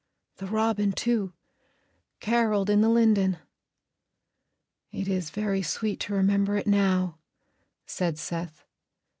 "The robin, too, carolled in the linden." "It is very sweet to remember it now," said Seth.